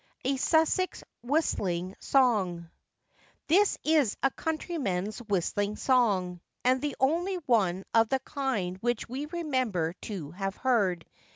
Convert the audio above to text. A SUSSEX WHISTLING SONG. [THIS is a countryman's whistling song, and the only one of the kind which we remember to have heard.